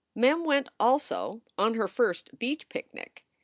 Mem went also on her first beach picnic.